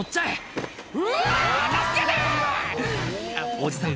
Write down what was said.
おじさん